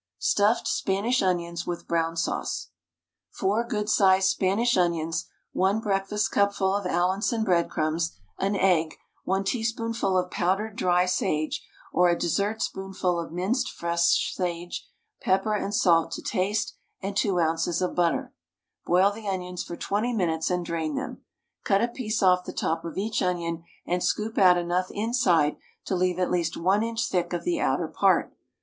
STUFFED SPANISH ONIONS WITH BROWN SAUCE. 4 good sized Spanish onions, 1 breakfastcupful of Allinson breadcrumbs, an egg, 1 teaspoonful of powdered dry sage, or a dessertspoonful of minced fresh sage, pepper and salt to taste, and 2 oz. of butter. Boil the onions for 20 minutes and drain them. Cut a piece off the top of each onion and scoop out enough inside to leave at least 1 inch thick of the outer part.